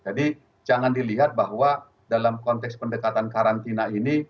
jadi jangan dilihat bahwa dalam konteks pendekatan karantina ini